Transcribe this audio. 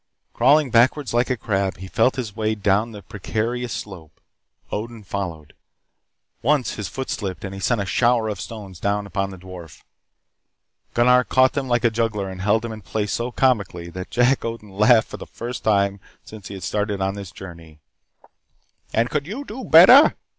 Crawling backwards like a crab, he felt his way down the precarious slope. Odin followed. Once his foot slipped and he sent a shower of stones down upon the dwarf. Gunnar caught them like a juggler and held them in place so comically that Jack Odin laughed for the first time since he had started on this journey. "And could you do better?"